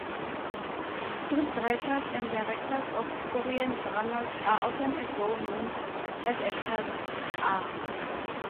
Scriptwriters and directors of Korean dramas are often as well known as actors are.